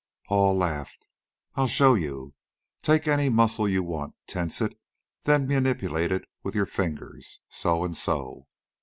Hall laughed. "I'll show you. Take any muscle you want, tense it, then manipulate it with your fingers, so, and so."